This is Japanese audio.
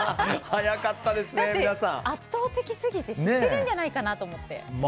だって、圧倒的すぎて知ってるんじゃないかなと思って。